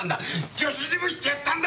助手にもしてやったんだ。